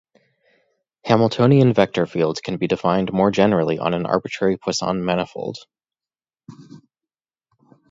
Hamiltonian vector fields can be defined more generally on an arbitrary Poisson manifold.